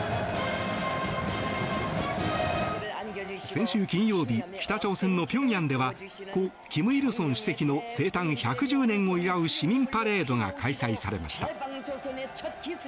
先週金曜日、北朝鮮の平壌では故・金日成主席の生誕１１０年を祝う市民パレードが開催されました。